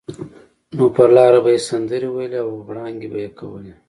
نو پر لاره به یې سندرې ویلې او غړانګې به یې کولې.